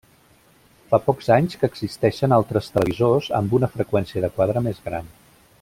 Fa pocs anys que existeixen altres televisors amb una freqüència de quadre més gran.